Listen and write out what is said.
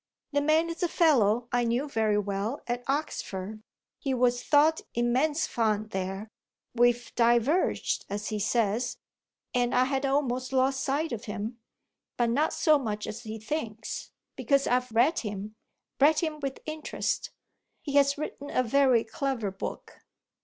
The man's a fellow I knew very well at Oxford. He was thought immense fun there. We've diverged, as he says, and I had almost lost sight of him, but not so much as he thinks, because I've read him read him with interest. He has written a very clever book."